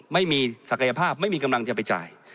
ไม่มีศักยภาพไม่มีกำลังจะไปจ่าย